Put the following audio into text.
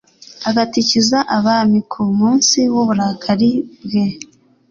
agatikiza abami ku munsi w’uburakari bwe